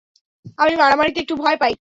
আমি মারামারিতে একটু ভয় পাই।